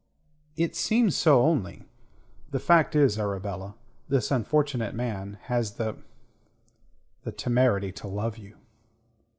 "It seems so only. The fact is, Arabella, this unfortunate man has the... the temerity to love you."